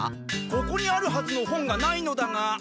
ここにあるはずの本がないのだが。